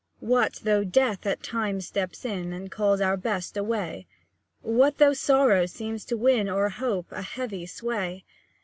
What though Death at times steps in, And calls our Best away? What though sorrow seems to win, O'er hope, a heavy sway?